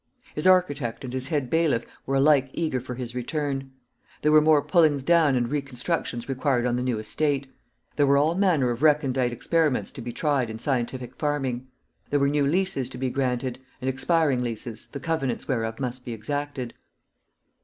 His architect and his head bailiff were alike eager for his return; there were more pullings down and reconstructions required on the new estate; there were all manner of recondite experiments to be tried in scientific farming: there were new leases to be granted, and expiring leases, the covenants whereof must be exacted.